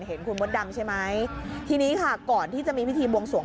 เห็นคุณมดดำใช่ไหมทีนี้ค่ะก่อนที่จะมีพิธีบวงสวง